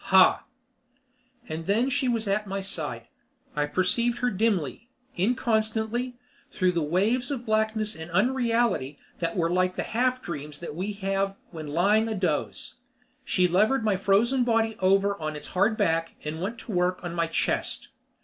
Hah! And then she was at my side. I perceived her dimly, inconstantly, through the waves of blackness and unreality that were like the half dreams that we have when lying a doze. She levered my frozen body over on its hard back and went to work on my chest.